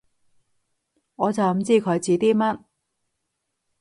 我就唔知佢指啲乜